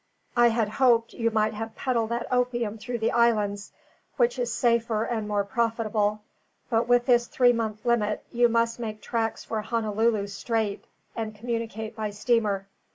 I had hoped you might have peddled that opium through the islands, which is safer and more profitable. But with this three month limit, you must make tracks for Honolulu straight, and communicate by steamer.